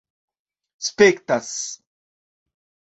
spektas